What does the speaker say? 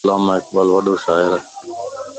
علاما اقبال وڏو شاعر ا